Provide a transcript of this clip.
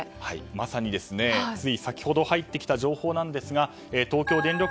まさについ先ほど入ってきた情報ですが東京電力